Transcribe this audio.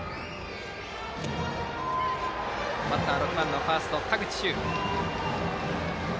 バッターは６番ファーストの田口周。